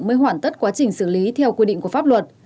mới hoàn tất quá trình xử lý theo quy định của pháp luật